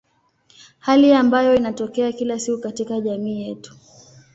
Hali ambayo inatokea kila siku katika jamii yetu.